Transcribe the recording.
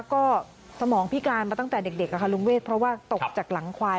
ก็สมองพิการมาตั้งแต่เด็กลุงเวทเพราะว่าตกจากหลังควาย